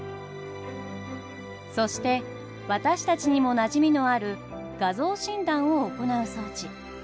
そして私たちにもなじみのある画像診断を行う装置。